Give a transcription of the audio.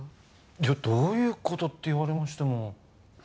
いやどういうことって言われましても。